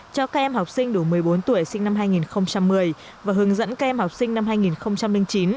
cho các em học sinh đủ một mươi bốn tuổi sinh năm hai nghìn một mươi và hướng dẫn các em học sinh năm hai nghìn chín